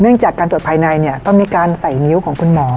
เนื่องจากการตรวจภายในต้องมีการใส่นิ้วของคุณหมอ